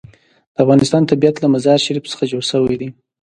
د افغانستان طبیعت له مزارشریف څخه جوړ شوی دی.